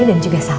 dan juga sawah